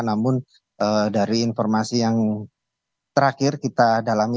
namun dari informasi yang terakhir kita dalami